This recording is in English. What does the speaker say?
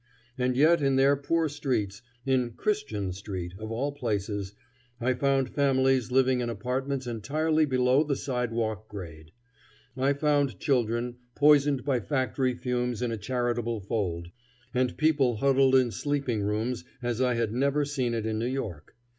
And yet in their poor streets in "Christian Street" of all places I found families living in apartments entirely below the sidewalk grade. I found children poisoned by factory fumes in a charitable fold, and people huddled in sleeping rooms as I had never seen it in New York.